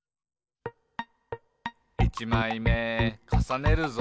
「いちまいめかさねるぞ！」